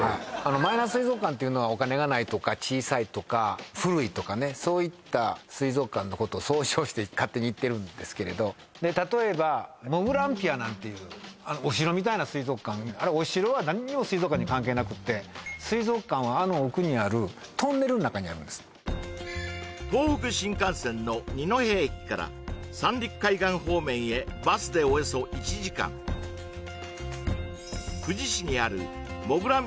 マイナー水族館っていうのはお金がないとか小さいとか古いとかねそういった水族館のことを総称して勝手に言ってるんですけれど例えばもぐらんぴあなんていうお城みたいな水族館あれお城は何にも水族館に関係なくって水族館はあの奥にあるトンネルの中にあるんです東北新幹線の二戸駅から三陸海岸方面へバスでおよそ１時間久慈市にあるもぐらん